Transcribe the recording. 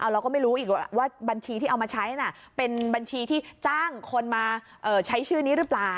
เราก็ไม่รู้อีกว่าบัญชีที่เอามาใช้เป็นบัญชีที่จ้างคนมาใช้ชื่อนี้หรือเปล่า